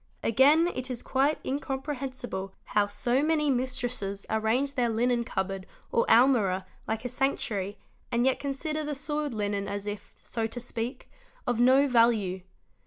Again it is quite incomprehensible how so many mis 'tresses arrange their linen cupboard or almirah like a sanctuary and yet consider the soiled linen as if, so to speak, of no value.